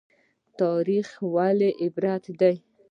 تاریخ ولې عبرت دی؟